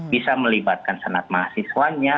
bisa melibatkan senat mahasiswanya